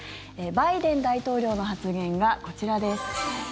バイデン大統領の発言がこちらです。